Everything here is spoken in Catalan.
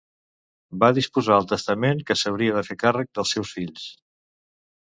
Va disposar al testament qui s'hauria de fer càrrec dels seus fills.